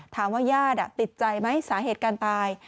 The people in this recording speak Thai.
ถามว่าญาติติดใจไหมสาเหตุการตาย